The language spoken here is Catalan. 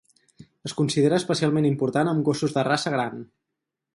Es considera especialment important amb gossos de raça gran.